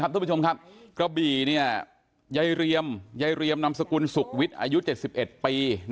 ต้นประชมครับกะบี่เนี่ยใยเรียมไยเรียมนามสกุลสุขวิทยุ๗๑ปี